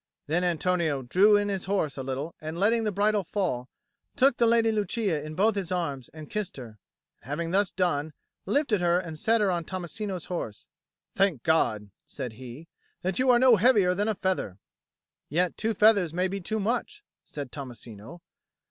Then Antonio drew in his horse a little and, letting the bridle fall, took the Lady Lucia in both his arms and kissed her, and having thus done, lifted her and set her on Tommasino's horse. "Thank God," said he, "that you are no heavier than a feather." "Yet two feathers may be too much," said Tommasino.